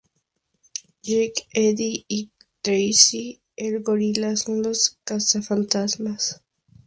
Jake, Eddie y Tracey el Gorila son los cazafantasmas.